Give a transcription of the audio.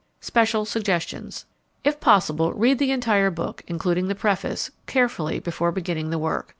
SPECIAL SUGGESTIONS If possible read the entire book, including the preface, carefully before beginning the work.